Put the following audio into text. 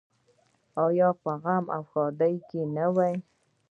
آیا په غم او ښادۍ کې نه وي؟